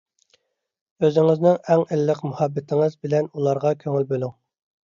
ئۆزىڭىزنىڭ ئەڭ ئىللىق مۇھەببىتىڭىز بىلەن ئۇلارغا كۆڭۈل بۆلۈڭ.